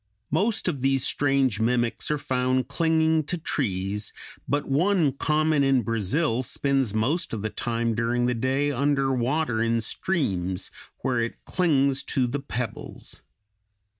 Most of these strange mimics are found clinging to trees; but one common in Brazil spends most of the time during the day under water in streams, where it clings to the pebbles.